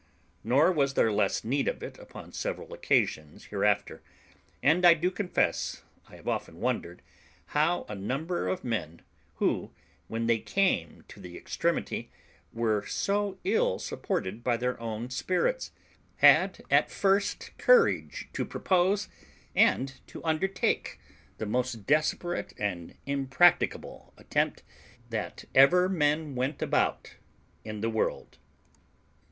Nor was there less need of it upon several occasions hereafter; and I do confess I have often wondered how a number of men, who, when they came to the extremity, were so ill supported by their own spirits, had at first courage to propose and to undertake the most desperate and impracticable attempt that ever men went about in the world.